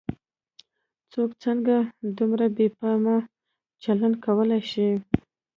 څوک څنګه دومره بې پامه چلن کولای شي.